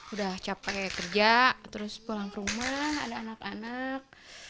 udah capek kerja terus pulang ke rumah ada anak anak